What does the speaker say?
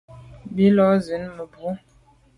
Bin lo zin mebwô.